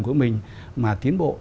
của mình mà tiến bộ